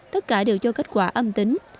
tất cả đều cho kết quả âm tính